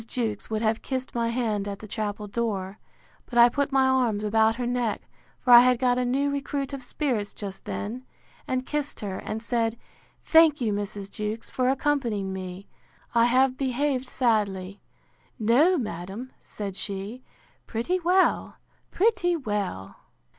Jewkes would have kissed my hand at the chapel door; but I put my arms about her neck, for I had got a new recruit of spirits just then; and kissed her, and said, Thank you, Mrs. Jewkes, for accompanying me. I have behaved sadly. No, madam, said she, pretty well, pretty well!